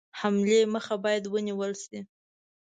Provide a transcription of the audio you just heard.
حملې مخه باید ونیوله شي.